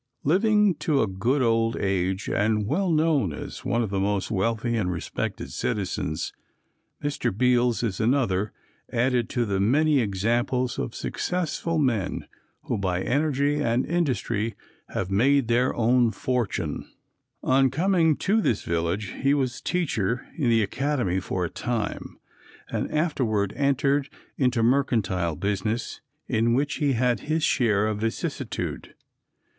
Living to a good old age, and well known as one of our most wealthy and respected citizens, Mr. Beals is another added to the many examples of successful men who, by energy and industry, have made their own fortune. On coming to this village, he was teacher in the Academy for a time, and afterward entered into mercantile business, in which he had his share of vicissitude.